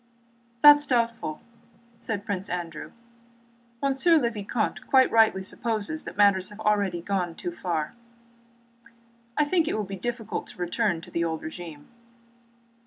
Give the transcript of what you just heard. "That is doubtful," said Prince Andrew. "Monsieur le Vicomte quite rightly supposes that matters have already gone too far. I think it will be difficult to return to the old regime."